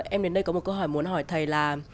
em đến đây có một câu hỏi muốn hỏi thầy là